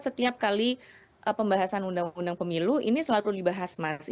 setiap kali pembahasan undang undang pemilu ini selalu perlu dibahas mas